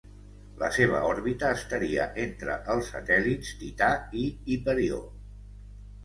La seva òrbita estaria entre els satèl·lits Tità i Hiperió.